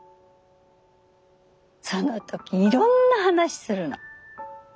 その時いろんな話するの。